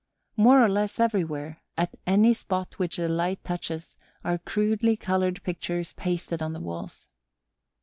More or less everywhere, at any spot which the light touches, are crudely colored pictures pasted on the walls.